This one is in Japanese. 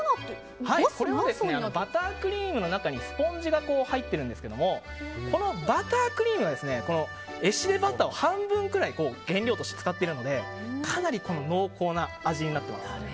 バタークリームの中にスポンジが入っているんですがバタークリームがエシレバターを半分くらい原料として使っているのでかなり濃厚な味になっています。